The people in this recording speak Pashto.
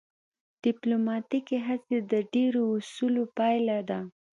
ډیپلوماتیکې هڅې د ډیرو اصولو پایله ده